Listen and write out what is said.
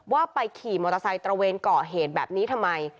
ว่าไปขี่มอเตอร์ไซค์ตระเวนก่อเหตุแบบนี้ทำไม